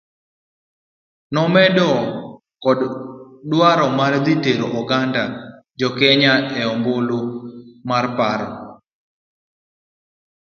Nomedo kod dwaro mar dhi tero oganda jokenya e ombulu mar paro.